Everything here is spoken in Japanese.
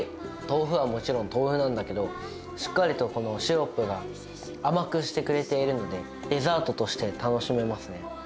豆腐はもちろん豆腐なんだけど、しっかりとこのシロップが甘くしてくれているので、デザートとして楽しめますね。